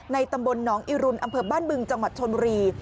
ตำบลหนองอิรุณอำเภอบ้านบึงจังหวัดชนบุรี